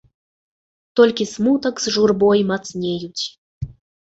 Толькі смутак з журбой мацнеюць.